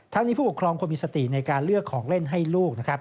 นี้ผู้ปกครองควรมีสติในการเลือกของเล่นให้ลูกนะครับ